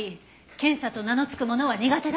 検査と名の付くものは苦手だそうです。